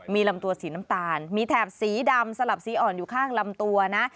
มีลำตัวสีน้ำตาลมีแถบสีดำสลับสีอ่อนอยู่ข้างลำตัวนะ